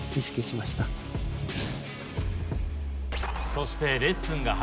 そして。